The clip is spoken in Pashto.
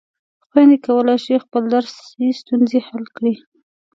خویندې کولای شي خپلې درسي ستونزې حل کړي.